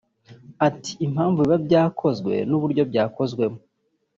Ati “Impamvu biba byakozwe n’uburyo byakozwemo